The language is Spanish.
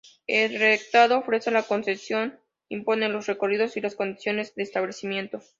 El Estado ofrece la concesión, impone los recorridos y las condiciones de establecimiento.